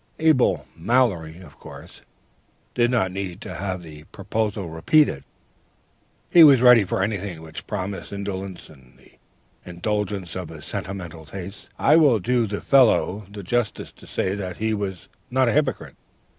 ... "Abel Mallory, of course, did not need to have the proposal repeated. He was ready for anything which promised indolence and the indulgence of his sentimental tastes. I will do the fellow the justice to say that he was not a hypocrite.